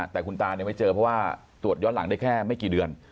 แต่คุณตาไม่เจอเพราะว่าตรวจย้อนหลังได้แค่ไม่กี่เดือน